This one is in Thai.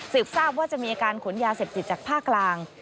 ทราบว่าจะมีอาการขนยาเสพติดจากภาคกลาง